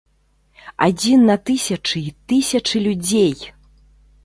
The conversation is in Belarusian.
Адзін на тысячы і тысячы людзей!